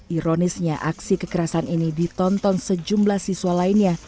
ironisnya aksi kekerasan ini ditonton sejumlah siswa lainnya